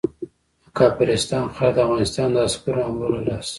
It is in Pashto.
د کافرستان خلک د افغانستان د عسکرو حملو له لاسه.